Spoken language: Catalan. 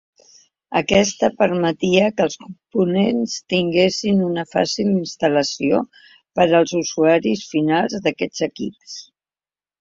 Aquesta permetia que els components tinguessin una fàcil instal·lació per als usuaris finals d'aquests equips.